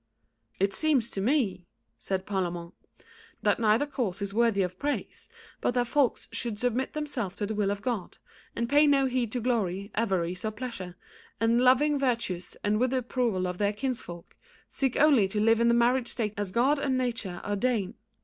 "It seems to me," said Parlamente, "that neither course is worthy of praise, but that folks should submit themselves to the will of God, and pay no heed to glory, avarice or pleasure, and loving virtuously and with the approval of their kinsfolk, seek only to live in the married state as God and nature ordain.